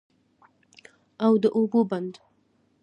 او د اوبو بند